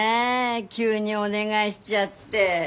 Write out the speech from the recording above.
急にお願いしちゃって。